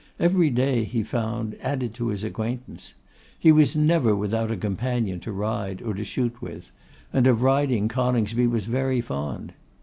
Every day, he found, added to his acquaintance. He was never without a companion to ride or to shoot with; and of riding Coningsby was very fond.